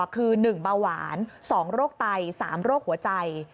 คือ๑เบาหวาน๒โรคไต๓โรคหัวใจ